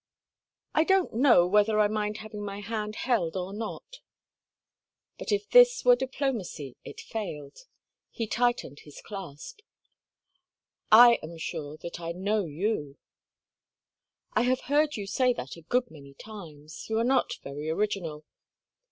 "I don't know whether I mind having my hand held or not." But if this were diplomacy it failed; he tightened his clasp. "I am not sure that I know you." "I have heard you say that a good many times. You are not very original."